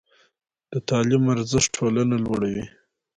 د تعلیم ارزښت ټولنه لوړوي.